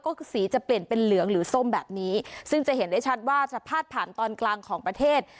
ก็คือสีจะเปลี่ยนเป็นเหลืองหรือส้มแบบนี้ซึ่งจะเห็นได้ชัดว่าจะพาดผ่านตอนกลางของประเทศ